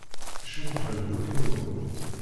Cmummḥen-d wakniwen.